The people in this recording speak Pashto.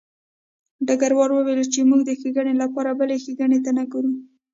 ډګروال وویل چې موږ د ښېګڼې لپاره بلې ښېګڼې ته نه ګورو